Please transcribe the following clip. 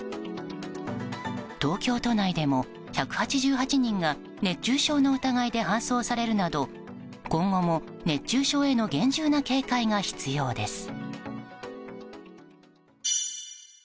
東京都内でも、１８８人が熱中症の疑いで搬送されるなど今後も熱中症への厳重な警戒が必要です。